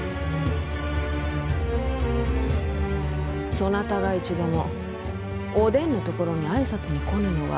そなたが一度もお伝のところに挨拶に来ぬのは？